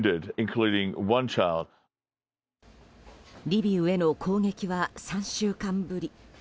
リビウへの攻撃は３週間ぶり。